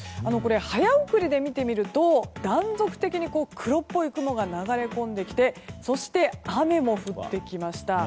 早送りで見てみると断続的に黒っぽい雲が流れ込んできて雨も降ってきました。